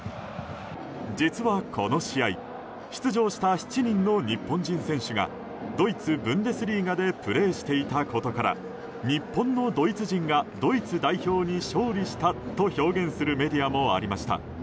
実は、この試合出場した７人の日本人選手がドイツ・ブンデスリーガでプレーしていたことから日本のドイツ人がドイツ代表に勝利したと表現するメディアもありました。